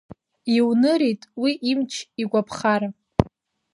Иунырит Уи имч, игәаԥхара!